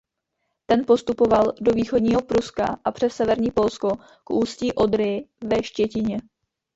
Ten postupoval do Východního Pruska a přes severní Polsko k ústí Odry ve Štětíně.